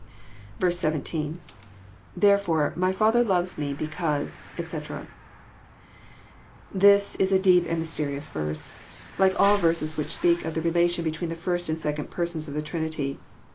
17. — lTJier€fore..,my Father love me because^ etc,"] This is a deep and mysterious verse, like all verses which speak of the relation between the First and Second Persons of the Trinity.